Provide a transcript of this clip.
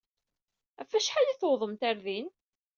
Ɣef wacḥal ay tewwḍemt ɣer din?